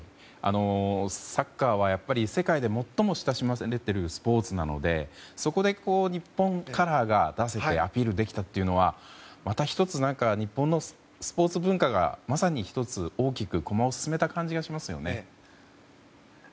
サッカーは世界で最も親しまれているスポーツなのでそこで日本カラーが出せてアピールできたというのはまた１つ日本のスポーツ文化がまさに１つ大きく駒を進めた感じがしますよね。